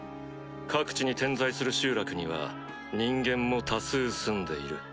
各地に点在する集落には人間も多数住んでいる。